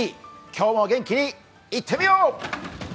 今日も元気にいってみよう！